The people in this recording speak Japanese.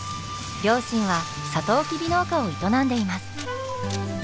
両親はサトウキビ農家を営んでいます。